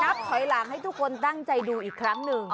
ถอยหลังให้ทุกคนตั้งใจดูอีกครั้งหนึ่ง